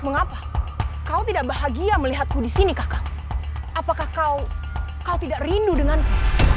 mengapa kau tidak bahagia melihatku di sini kak kang apakah kau tidak rindu denganku